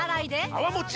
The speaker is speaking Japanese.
泡もち